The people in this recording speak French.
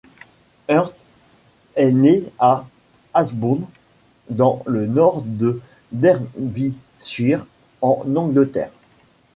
Hurt est né à Ashbourne, dans le Nord du Derbyshire, en Angleterre.